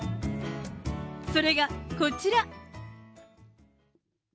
それがこちら。